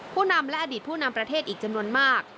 นำและอดีตผู้นำประเทศอีกจำนวนมาก